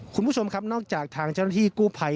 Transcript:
คุณผู้ชมครับนอกจากทางเจ้าหน้าที่กู้ภัย